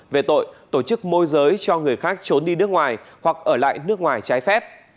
về tội tổ chức môi giới cho người khác trốn đi nước ngoài hoặc ở lại nước ngoài trái phép